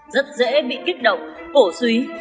rất dễ bị kích động bổ suy